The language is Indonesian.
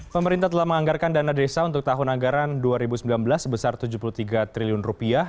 pemerintah telah menganggarkan dana desa untuk tahun anggaran dua ribu sembilan belas sebesar tujuh puluh tiga triliun rupiah